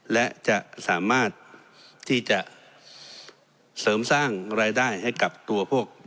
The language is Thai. และจะสามารถที่จะเสริมสร้างรายได้ให้กับตัวพวก